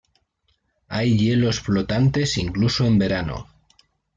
Hay hielos flotantes incluso en verano.